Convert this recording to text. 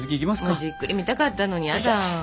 もうじっくり見たかったのにやだ。